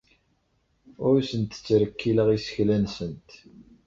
Ur asent-ttrekkileɣ isekla-nsent.